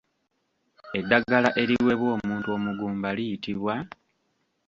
Eddagala eriweebwa omuntu omugumba liyitibwa?